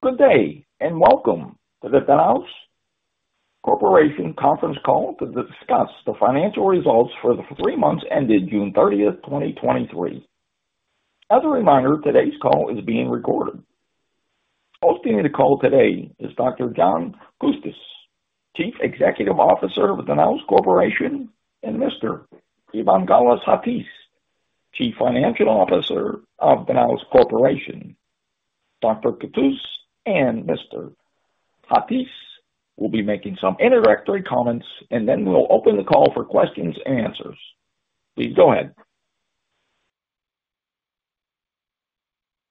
Good day, and welcome to the Danaos Corporation conference call to discuss the financial results for the three months ended June 30th, 2023. As a reminder, today's call is being recorded. Hosting the call today is Dr. John Coustas, Chief Executive Officer of Danaos Corporation, and Mr. Evangelos Chatzis, Chief Financial Officer of Danaos Corporation. Dr. Coustas and Mr. Chatzis will be making some introductory comments, and then we'll open the call for questions and answers. Please go ahead.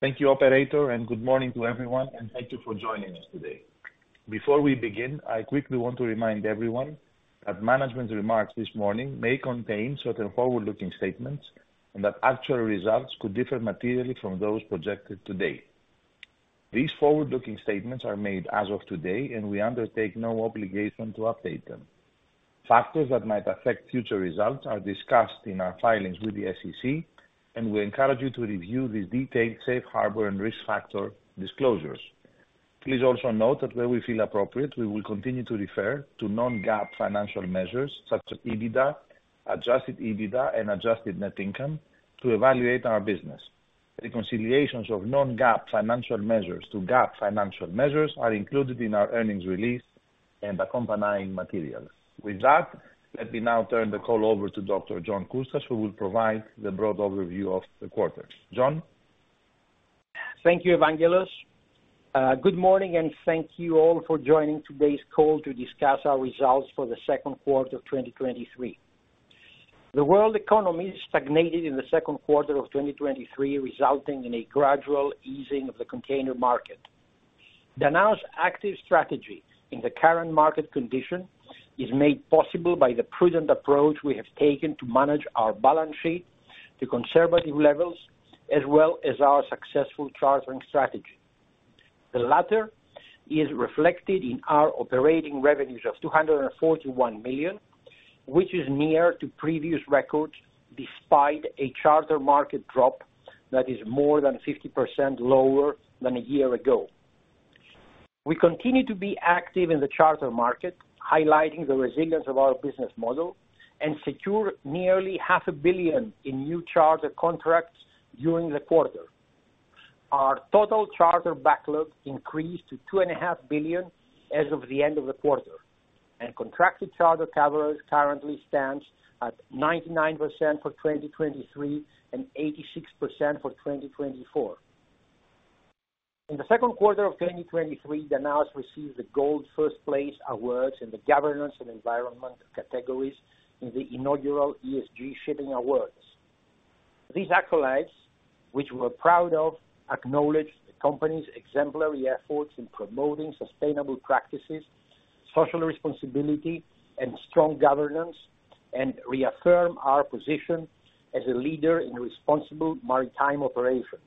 Thank you, operator, and good morning to everyone, and thank you for joining us today. Before we begin, I quickly want to remind everyone that management's remarks this morning may contain certain forward-looking statements and that actual results could differ materially from those projected today. These forward-looking statements are made as of today, and we undertake no obligation to update them. Factors that might affect future results are discussed in our filings with the SEC, and we encourage you to review these detailed safe harbor and risk factor disclosures. Please also note that where we feel appropriate, we will continue to refer to non-GAAP financial measures such as EBITDA, adjusted EBITDA, and adjusted net income to evaluate our business. Reconciliations of non-GAAP financial measures to GAAP financial measures are included in our earnings release and accompanying materials. With that, let me now turn the call over to Dr. John Coustas, who will provide the broad overview of the quarter. John? Thank you, Evangelos. Good morning, and thank you all for joining today's call to discuss our results for the second quarter of 2023. The world economy stagnated in the second quarter of 2023, resulting in a gradual easing of the container market. Danaos' active strategy in the current market condition is made possible by the prudent approach we have taken to manage our balance sheet to conservative levels, as well as our successful chartering strategy. The latter is reflected in our operating revenues of $241 million, which is near to previous records, despite a charter market drop that is more than 50% lower than a year ago. We continue to be active in the charter market, highlighting the resilience of our business model and secure nearly $500 million in new charter contracts during the quarter. Our total charter backlog increased to $2.5 billion as of the end of the quarter, and contracted charter coverage currently stands at 99% for 2023 and 86% for 2024. In the second quarter of 2023, Danaos received the gold first place awards in the governance and environment categories in the inaugural ESG Shipping Awards. These accolades, which we're proud of, acknowledge the company's exemplary efforts in promoting sustainable practices, social responsibility, and strong governance, and reaffirm our position as a leader in responsible maritime operations.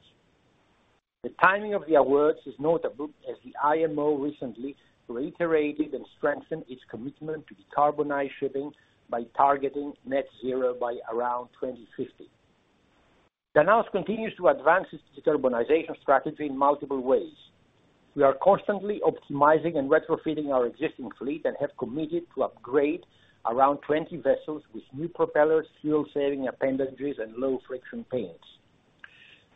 The timing of the awards is notable, as the IMO recently reiterated and strengthened its commitment to decarbonize shipping by targeting net zero by around 2050. Danaos continues to advance its decarbonization strategy in multiple ways. We are constantly optimizing and retrofitting our existing fleet and have committed to upgrade around 20 vessels with new propellers, fuel-saving appendages, and low-friction paints.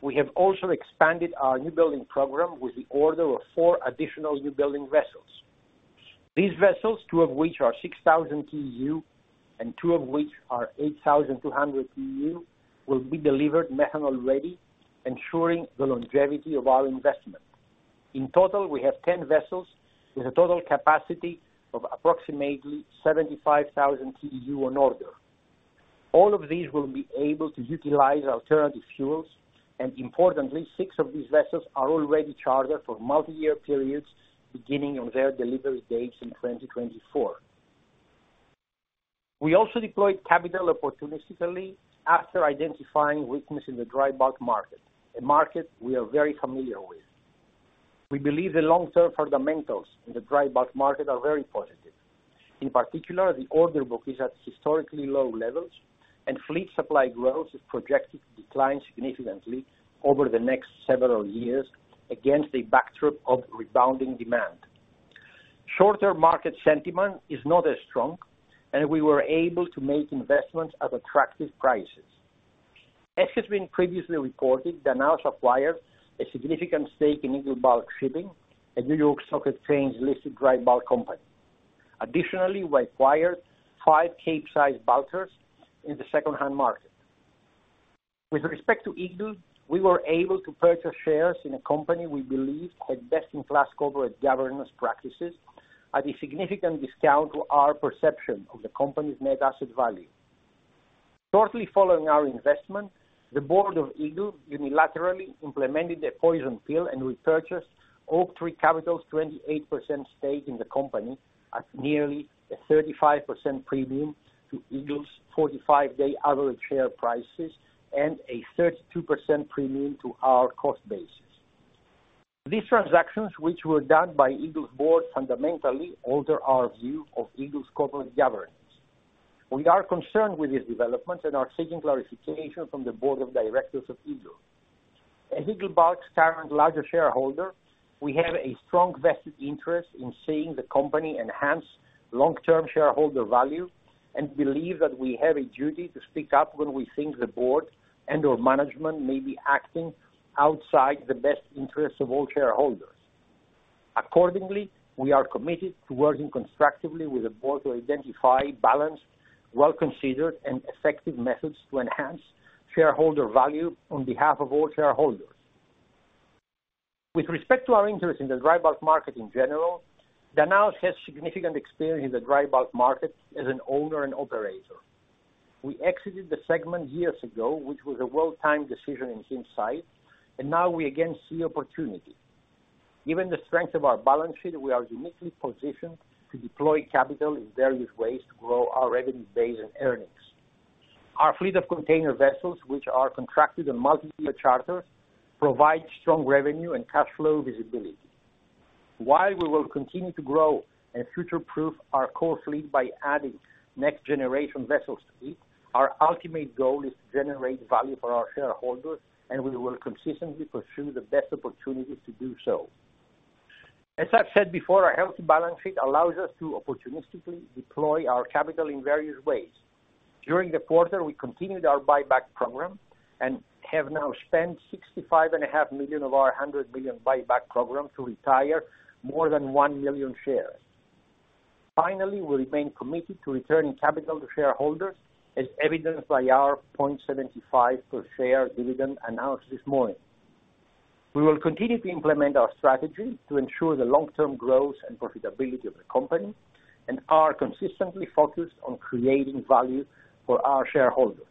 We have also expanded our new building program with the order of four additional new building vessels. These vessels, two of which are 6,000 TEU and two of which are 8,200 TEU, will be delivered methanol-ready, ensuring the longevity of our investment. In total, we have 10 vessels with a total capacity of approximately 75,000 TEU on order. All of these will be able to utilize alternative fuels, and importantly, six of these vessels are already chartered for multi-year periods, beginning on their delivery dates in 2024. We also deployed capital opportunistically after identifying weakness in the dry bulk market, a market we are very familiar with. We believe the long-term fundamentals in the dry bulk market are very positive. In particular, the order book is at historically low levels, and fleet supply growth is projected to decline significantly over the next several years against a backdrop of rebounding demand. Shorter market sentiment is not as strong, and we were able to make investments at attractive prices. As has been previously reported, Danaos acquired a significant stake in Eagle Bulk Shipping, a New York Stock Exchange-listed dry bulk company. Additionally, we acquired 5 Capesize bulkers in the secondhand market. With respect to Eagle, we were able to purchase shares in a company we believe had best-in-class corporate governance practices at a significant discount to our perception of the company's net asset value. Shortly following our investment, the board of Eagle unilaterally implemented a poison pill and repurchased Oaktree Capital's 28% stake in the company at nearly a 35% premium to Eagle's 45-day average share prices and a 32% premium to our cost basis. These transactions, which were done by Eagle's board, fundamentally alter our view of Eagle's corporate governance. We are concerned with these developments and are seeking clarification from the board of directors of Eagle. As Eagle Bulk's current larger shareholder, we have a strong vested interest in seeing the company enhance long-term shareholder value, and believe that we have a duty to speak up when we think the board and/or management may be acting outside the best interest of all shareholders. Accordingly, we are committed to working constructively with the board to identify balanced, well-considered and effective methods to enhance shareholder value on behalf of all shareholders. With respect to our interest in the dry bulk market in general, Danaos has significant experience in the dry bulk market as an owner and operator. We exited the segment years ago, which was a well-timed decision in hindsight, and now we again see opportunity. Given the strength of our balance sheet, we are uniquely positioned to deploy capital in various ways to grow our revenue base and earnings. Our fleet of container vessels, which are contracted on multi-year charters, provide strong revenue and cash flow visibility. While we will continue to grow and future-proof our core fleet by adding next generation vessels to it, our ultimate goal is to generate value for our shareholders. We will consistently pursue the best opportunities to do so. As I've said before, our healthy balance sheet allows us to opportunistically deploy our capital in various ways. During the quarter, we continued our buyback program and have now spent $65.5 million of our $100 million buyback program to retire more than one million shares. Finally, we remain committed to returning capital to shareholders, as evidenced by our $0.75 per share dividend announced this morning. We will continue to implement our strategy to ensure the long-term growth and profitability of the company. We are consistently focused on creating value for our shareholders.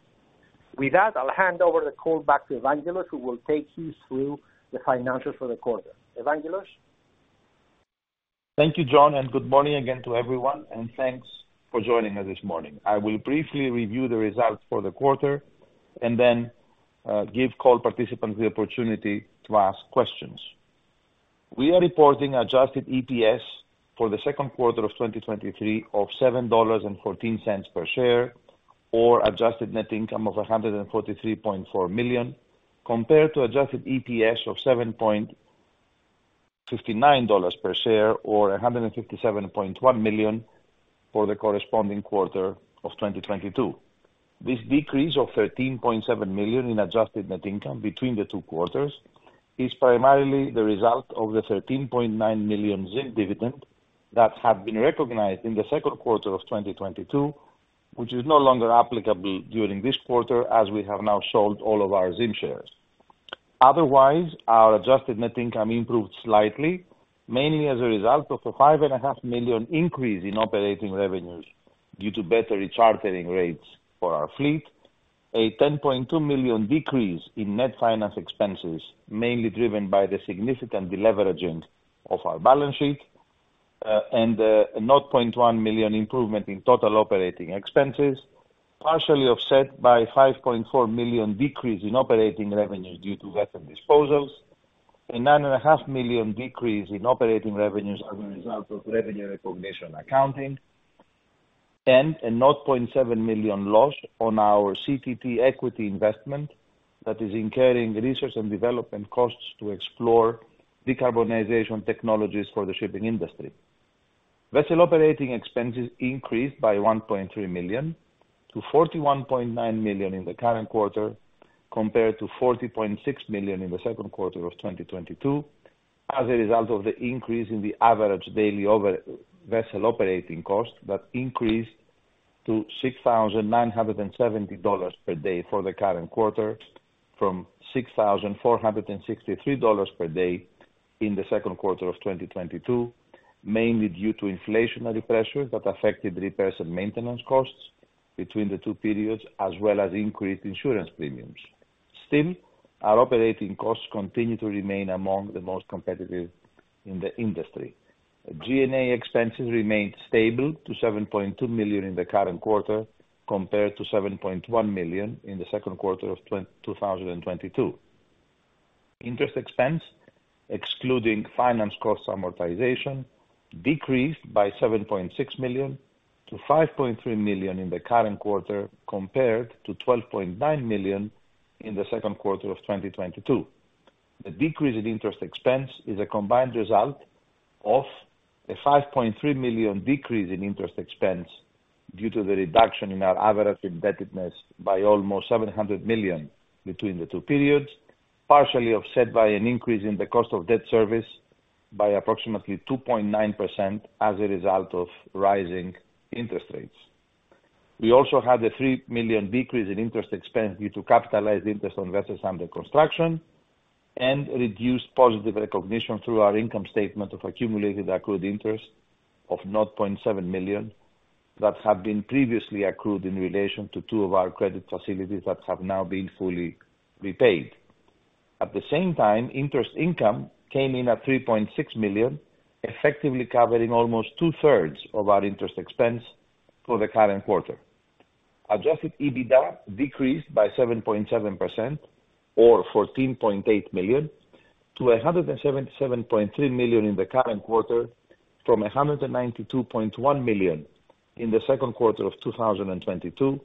With that, I'll hand over the call back to Evangelos, who will take you through the financials for the quarter. Evangelos? Thank you, John, good morning again to everyone, thanks for joining us this morning. I will briefly review the results for the quarter then give call participants the opportunity to ask questions. We are reporting adjusted EPS for the second quarter of 2023 of $7.14 per share, or adjusted net income of $143.4 million, compared to adjusted EPS of $7.59 per share or $157.1 million for the corresponding quarter of 2022. This decrease of $13.7 million in adjusted net income between the two quarters is primarily the result of the $13.9 million ZIM dividend that had been recognized in the second quarter of 2022, which is no longer applicable during this quarter as we have now sold all of our Zim shares. Otherwise, our adjusted net income improved slightly, mainly as a result of a $5.5 million increase in operating revenues due to better rechartering rates for our fleet, a $10.2 million decrease in net finance expenses, mainly driven by the significant deleveraging of our balance sheet, and a $0.1 million improvement in total operating expenses, partially offset by $5.4 million decrease in operating revenues due to vessel disposals, a $9.5 million decrease in operating revenues as a result of revenue recognition accounting, and a $0.7 million loss on our CTT equity investment that is incurring research and development costs to explore decarbonization technologies for the shipping industry. Vessel operating expenses increased by $1.3 million to $41.9 million in the current quarter, compared to $40.6 million in the second quarter of 2022, as a result of the increase in the average daily over vessel operating cost, that increased to $6,970 per day for the current quarter, from $6,463 per day in the second quarter of 2022, mainly due to inflationary pressure that affected repairs and maintenance costs between the two periods, as well as increased insurance premiums. Still, our operating costs continue to remain among the most competitive in the industry. G&A expenses remained stable to $7.2 million in the current quarter, compared to $7.1 million in the second quarter of 2022. Interest expense, excluding finance cost amortization, decreased by $7.6 million to $5.3 million in the current quarter, compared to $12.9 million in the second quarter of 2022. The decrease in interest expense is a combined result of a $5.3 million decrease in interest expense due to the reduction in our average indebtedness by almost $700 million between the two periods, partially offset by an increase in the cost of debt service by approximately 2.9% as a result of rising interest rates. We also had a $3 million decrease in interest expense due to capitalized interest on vessels under construction, and reduced positive recognition through our income statement of accumulated accrued interest of $0.7 million, that have been previously accrued in relation to two of our credit facilities that have now been fully repaid. At the same time, interest income came in at $3.6 million, effectively covering almost two-thirds of our interest expense for the current quarter. Adjusted EBITDA decreased by 7.7%, or $14.8 million, to $177.3 million in the current quarter, from $192.1 million in the second quarter of 2022,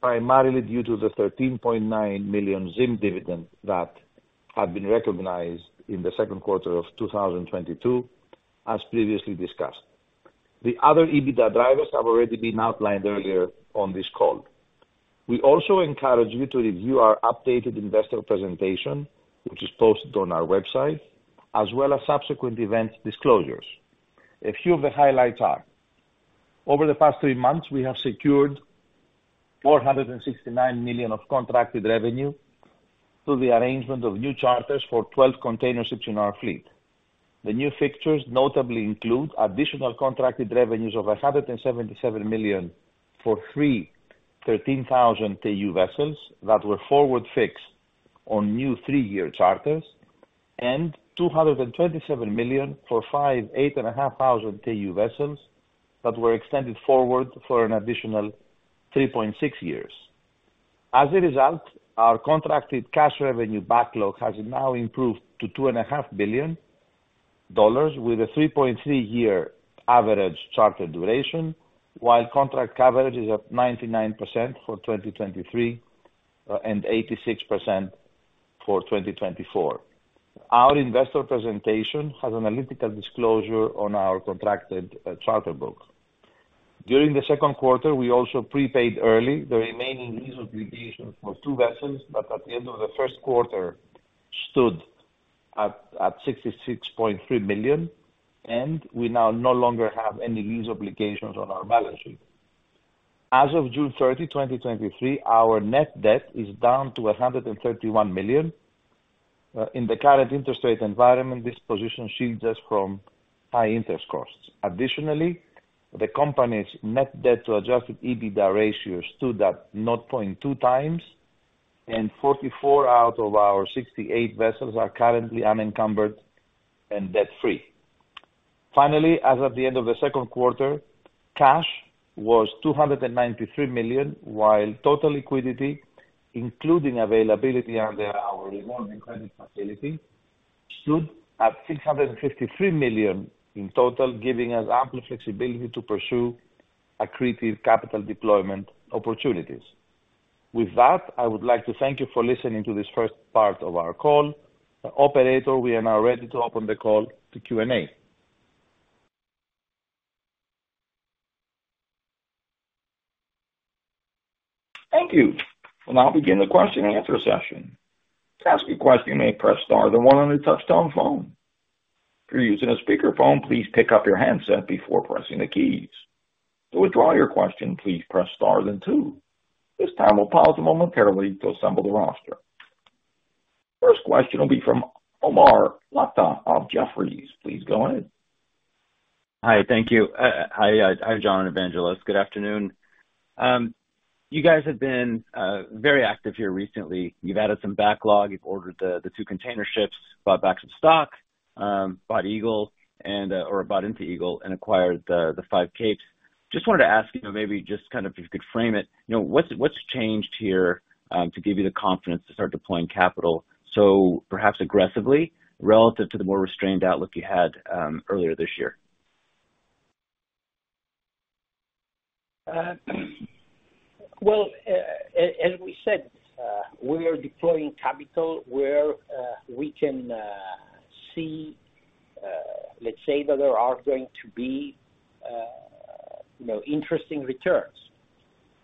primarily due to the $13.9 million ZIM dividend that had been recognized in the second quarter of 2022, as previously discussed. The other EBITDA drivers have already been outlined earlier on this call. We also encourage you to review our updated investor presentation, which is posted on our website, as well as subsequent event disclosures. A few of the highlights are: over the past three months, we have secured $469 million of contracted revenue through the arrangement of new charters for 12 container ships in our fleet. The new fixtures notably include additional contracted revenues of $177 million for 3 13,000 TEU vessels that were forward fixed on new 3-year charters, and $227 million for 5 8,500 TEU vessels that were extended forward for an additional 3.6 years. As a result, our contracted cash revenue backlog has now improved to $2.5 billion, with a 3.3 year average charter duration, while contract coverage is at 99% for 2023, and 86% for 2024. Our investor presentation has analytical disclosure on our contracted charter book. During the second quarter, we also prepaid early the remaining lease obligations for two vessels, but at the end of the first quarter, stood at $66.3 million, and we now no longer have any lease obligations on our balance sheet. As of June 30, 2023, our net debt is down to $131 million. In the current interest rate environment, this position shields us from high interest costs. Additionally, the company's net debt to adjusted EBITDA ratio stood at 0.2 times, and 44 out of our 68 vessels are currently unencumbered and debt-free. Finally, as of the end of the second quarter, cash was $293 million, while total liquidity, including availability under our revolving credit facility, stood at $653 million in total, giving us ample flexibility to pursue accretive capital deployment opportunities. With that, I would like to thank you for listening to this first part of our call. Operator, we are now ready to open the call to Q&A. Thank you. We'll now begin the question and answer session. To ask a question, may press star then one on a touchtone phone. If you're using a speakerphone, please pick up your handset before pressing the keys. To withdraw your question, please press star then two. This time we'll pause momentarily to assemble the roster. First question will be from Omar Nokta of Jefferies. Please go ahead. Hi, thank you. Hi, hi, John and Evangelos. Good afternoon. You guys have been very active here recently. You've added some backlog, you've ordered the, the two container ships, bought back some stock, bought Eagle and, or bought into Eagle and acquired the, the five Capes. Just wanted to ask, you know, maybe just kind of if you could frame it, you know, what's, what's changed here, to give you the confidence to start deploying capital so perhaps aggressively relative to the more restrained outlook you had earlier this year? Well, as, as we said, we are deploying capital where we can see, let's say that there are going to be, you know, interesting returns.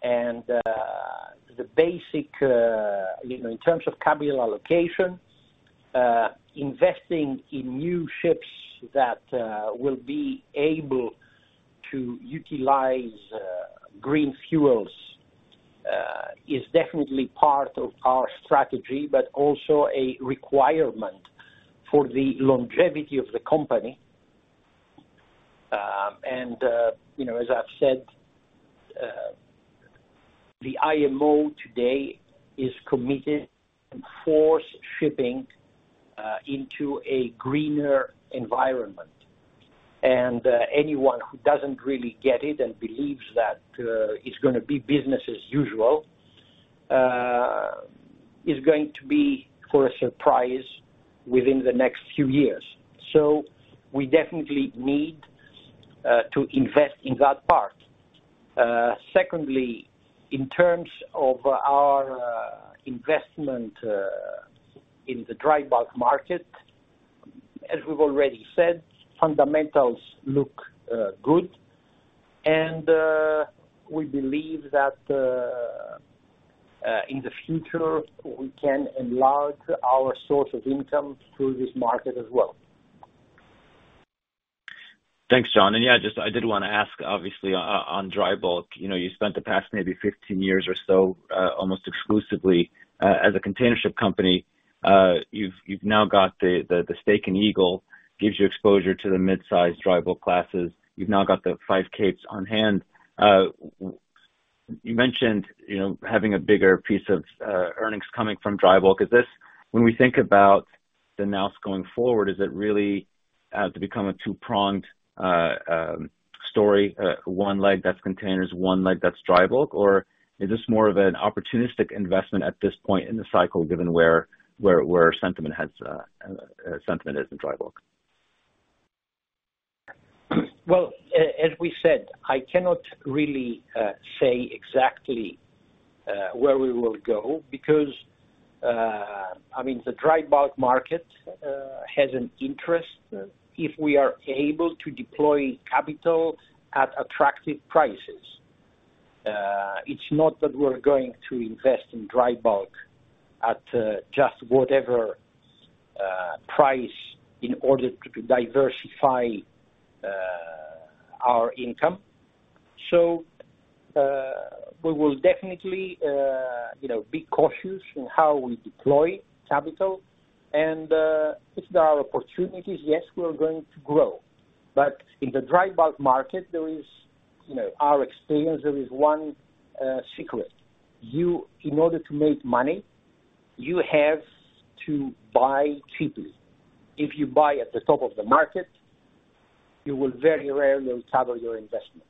The basic, you know, in terms of capital allocation, investing in new ships that will be able to utilize green fuels is definitely part of our strategy, but also a requirement for the longevity of the company. You know, as I've said, the IMO today is committed to force shipping into a greener environment. Anyone who doesn't really get it and believes that it's gonna be business as usual is going to be for a surprise within the next few years. We definitely need to invest in that part. Secondly, in terms of our investment in the dry bulk market, as we've already said, fundamentals look good, and we believe that in the future, we can enlarge our source of income through this market as well. Thanks, John. Yeah, just I did wanna ask, obviously, on dry bulk, you know, you spent the past maybe 15 years or so, almost exclusively, as a containership company. You've, you've now got the, the, the stake in Eagle, gives you exposure to the mid-sized dry bulk classes. You've now got the five Capes on hand. You mentioned, you know, having a bigger piece of earnings coming from dry bulk. Is this when we think about Danaos going forward, is it really to become a two pronged story, one leg that's containers, one leg that's dry bulk? Or is this more of an opportunistic investment at this point in the cycle, given where, where, where sentiment has, sentiment is in dry bulk? Well, as we said, I cannot really say exactly where we will go because I mean, the dry bulk market has an interest if we are able to deploy capital at attractive prices. It's not that we're going to invest in dry bulk at just whatever price in order to diversify our income. We will definitely, you know, be cautious in how we deploy capital. If there are opportunities, yes, we are going to grow. In the dry bulk market, there is, you know, our experience, there is one secret. You... In order to make money, you have to buy cheaply. If you buy at the top of the market, you will very rarely double your investment.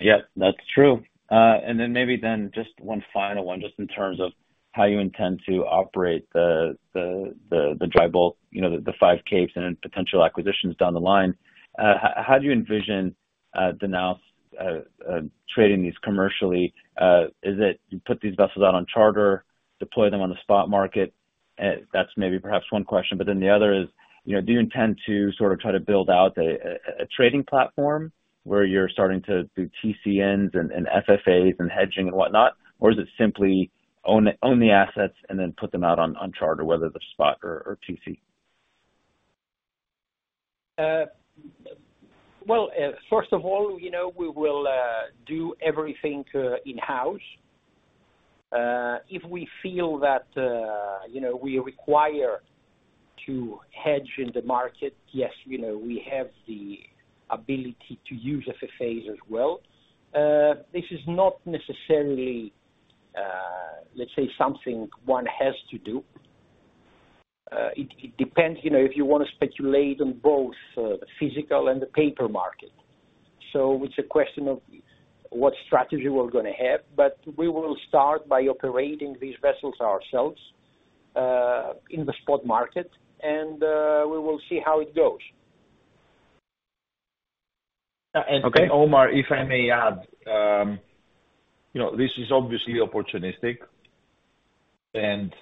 Yeah, that's true. Then maybe then just one final one, just in terms of how you intend to operate the dry bulk, you know, the five capes and then potential acquisitions down the line. How do you envision Danaos trading these commercially? Is it you put these vessels out on charter, deploy them on the spot market? That's maybe perhaps one question, the other is, you know, do you intend to sort of try to build out a trading platform where you're starting to do TCNs and FFAs and hedging and whatnot? Is it simply own, own the assets and then put them out on charter, whether they're spot or TC? Well, first of all, you know, we will do everything in-house. If we feel that, you know, we require to hedge in the market, yes, you know, we have the ability to use FFAs as well. This is not necessarily, let's say, something one has to do. It, it depends, you know, if you want to speculate on both the physical and the paper market. It's a question of what strategy we're gonna have, but we will start by operating these vessels ourselves in the spot market, and we will see how it goes. Omar, if I may add, you know, this is obviously opportunistic, and,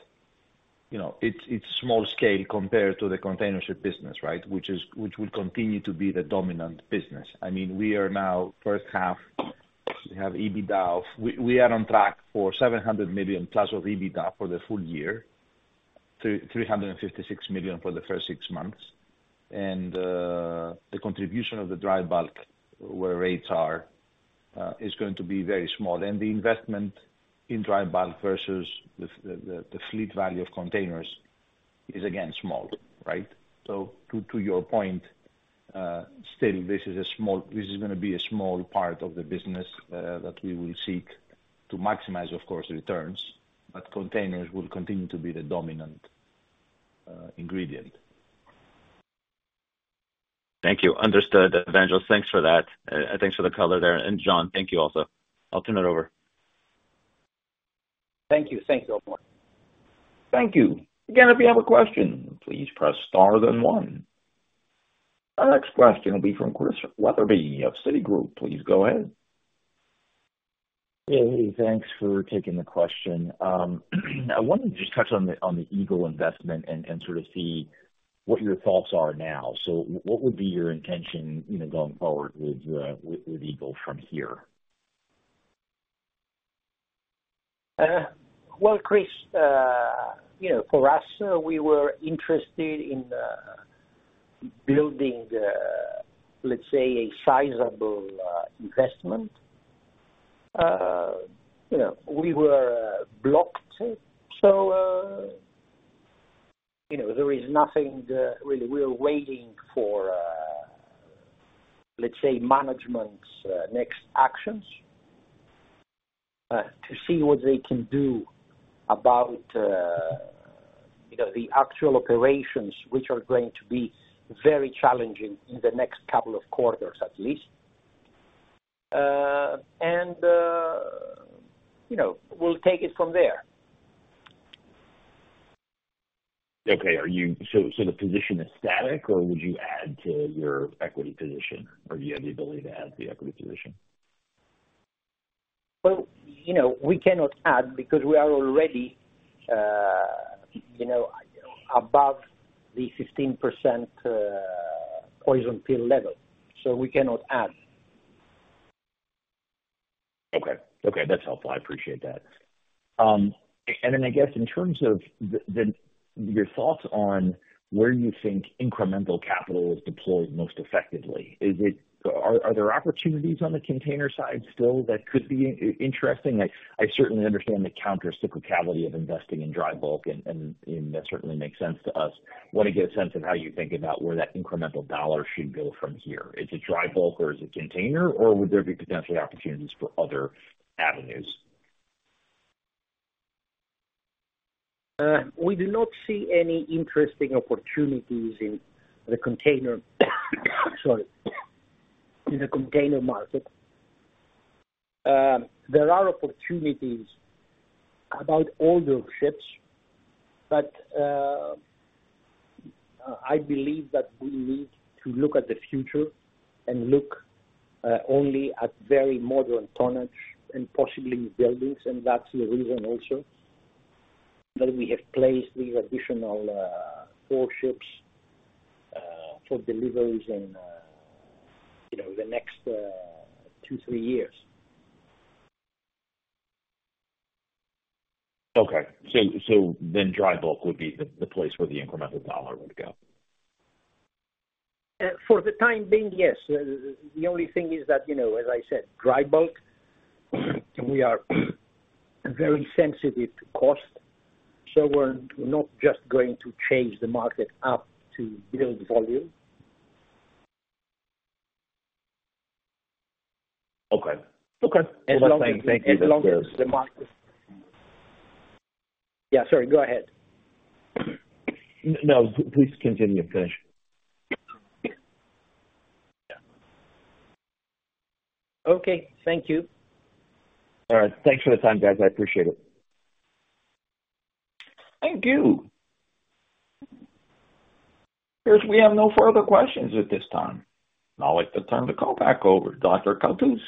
you know, it's, it's small scale compared to the container ship business, right? Which is... Which will continue to be the dominant business. I mean, we are now first half, we have EBITDA of... We, we are on track for $700 million+ of EBITDA for the full year, $356 million for the first six months. The contribution of the dry bulk, where rates are, is going to be very small. The investment in dry bulk versus the, the, the fleet value of containers is, again, small, right? To, to your point, still, this is a small. This is gonna be a small part of the business, that we will seek to maximize, of course, returns, but containers will continue to be the dominant ingredient. Thank you. Understood, Evangelos. Thanks for that, and thanks for the color there. John, thank you also. I'll turn it over. Thank you. Thank you, Omar. Thank you. Again, if you have a question, please press star then one. Our next question will be from Chris Wetherbee of Citigroup. Please go ahead. Hey, thanks for taking the question. I wanted to just touch on the, on the Eagle investment and, and sort of see what your thoughts are now. So what would be your intention, you know, going forward with Eagle from here? Well, Chris, you know, for us, we were interested in building, let's say, a sizable investment. You know, we were blocked, so, you know, there is nothing that really we're waiting for, let's say, management's next actions, to see what they can do about, you know, the actual operations, which are going to be very challenging in the next couple of quarters, at least. You know, we'll take it from there. Okay. So the position is static, or would you add to your equity position? Or do you have the ability to add to the equity position? Well, you know, we cannot add because we are already, you know, above the 15%, poison pill level, so we cannot add. Okay. Okay, that's helpful. I appreciate that. And then I guess in terms of the your thoughts on where you think incremental capital is deployed most effectively, is it? Are there opportunities on the container side still that could be interesting? I certainly understand the countercyclicality of investing in dry bulk and that certainly makes sense to us. Want to get a sense of how you think about where that incremental dollar should go from here. Is it dry bulk or is it container, or would there be potential opportunities for other avenues? We do not see any interesting opportunities in the container, sorry, in the container market. There are opportunities about older ships, but I believe that we need to look at the future and look only at very modern tonnage and possibly new buildings. That's the reason also that we have placed these additional four ships for deliveries in, you know, the next two to three years. Okay. dry bulk would be the, the place where the incremental dollar would go? For the time being, yes. The only thing is that, you know, as I said, dry bulk, we are very sensitive to cost, so we're not just going to change the market up to build volume. Okay. Okay. Thank you. As long as the market... Yeah, sorry, go ahead. No, please continue. Finish. Yeah. Okay. Thank you. All right. Thanks for the time, guys. I appreciate it. Thank you. Since we have no further questions at this time, I'd like to turn the call back over to Dr. Coustas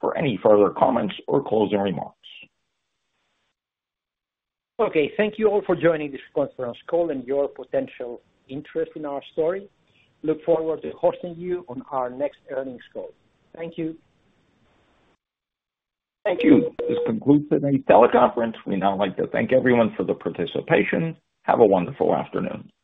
for any further comments or closing remarks. Okay. Thank you all for joining this conference call and your potential interest in our story. Look forward to hosting you on our next earnings call. Thank you. Thank you. This concludes today's teleconference. We'd now like to thank everyone for the participation. Have a wonderful afternoon.